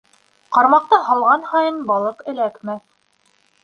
Ҡармаҡты һалған һайын балыҡ эләкмәҫ.